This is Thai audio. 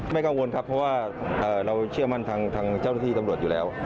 กังวลครับเพราะว่าเราเชื่อมั่นทางเจ้าหน้าที่ตำรวจอยู่แล้ว